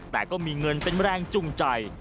แต่ก็มีเงินเป็นแรงจูงใจ